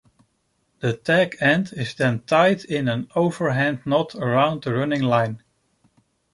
The tag end is then tied in an overhand knot around the running line.